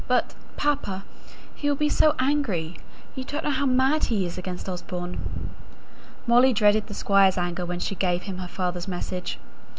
But, papa, he will be so angry! You don't know how mad he is against Osborne." Molly dreaded the Squire's anger when she gave him her father's message.